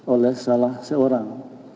oleh salah seorang